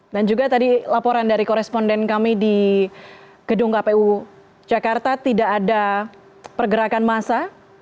dan juga tadi laporan dari koresponden kami di gedung kpu jakarta tidak ada pergerakan massa